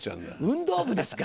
運動部ですか！